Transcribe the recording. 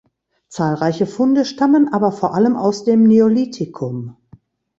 Zahlreiche Funde stammen aber vor allem aus dem Neolithikum.